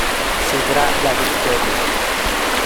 Sidra La Victoria.